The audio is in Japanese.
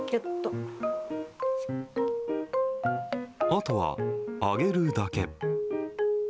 あとは揚げるだけ。